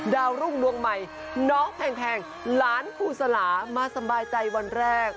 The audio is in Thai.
ดาวรุ่งดวงใหม่น้องแพงหลานครูสลามาสบายใจวันแรก